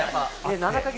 ７か月